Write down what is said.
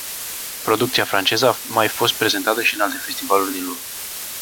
Producția franceză a mai fost prezentată și în alte festivaluri din lume.